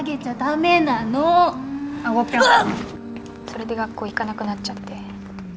それで学校行かなくなっちゃって。